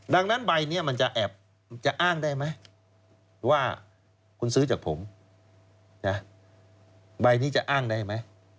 ได้ไหมว่าคุณซื้อจากผมใบนี้จะอ้างได้ไหม